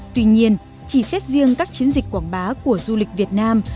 tuy nhiên chỉ xét riêng các chiến dịch quảng bá của du lịch việt nam